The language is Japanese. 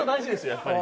やっぱり。